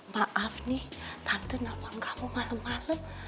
maaf nih tante nelfon kamu malam malam